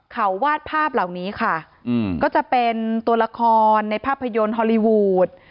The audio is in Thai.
เขาวาดภาพเหล่านี้ค่ะก็จะเป็นตัวละครในภาพยนตร์ฮอลลีวูด